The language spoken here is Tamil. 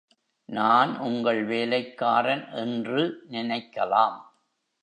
நான் உங்கள் வேலைக்காரன் என்று நினைக்கலாம்.